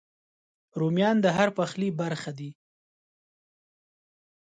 رومیان د هر پخلي برخه دي